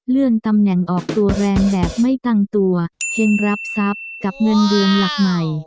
เรื่องตำแหน่งออกตัวแรงแบบไม่ตั้งตัวเช่นรับทรัพย์กับเงินเดือนหลักใหม่